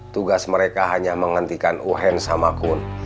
tugas mereka hanya menghentikan uhen sama kun